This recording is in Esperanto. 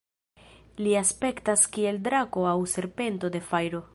Li aspektas kiel drako aŭ serpento de fajro.